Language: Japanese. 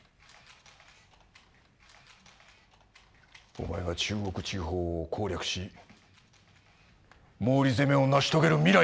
お前が中国地方を攻略し毛利攻めを成し遂げる未来がな。